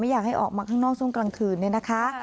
อยากให้ออกมาข้างนอกช่วงกลางคืนเนี่ยนะคะ